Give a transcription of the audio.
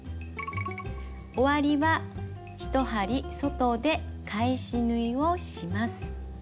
終わりは１針外で返し縫いをします。